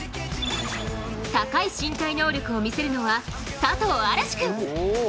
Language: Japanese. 高い身体能力を見せるのは佐藤嵐士君。